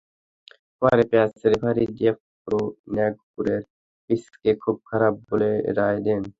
পরে match referee Jeff Crowe নাগপুরের পিচকে খুব খারাপ বলে রায় দেন।